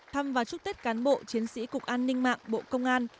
thăm và chúc tết cán bộ chiến sĩ cục an ninh mạng bộ công an